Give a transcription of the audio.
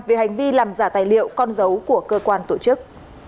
về hành vi làm giả tài liệu con dấu của cơ quan tổ chức